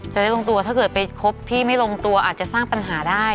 จะได้ลงตัวถ้าเกิดไปครบที่ไม่ลงตัวอาจจะสร้างปัญหาได้